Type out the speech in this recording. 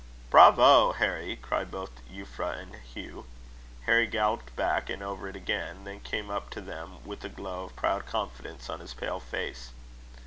"Bravo! Harry!" cried both Euphra and Hugh. Harry galloped back, and over it again; then came up to them with a glow of proud confidence on his pale face.